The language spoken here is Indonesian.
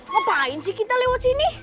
ngapain sih kita lewat sini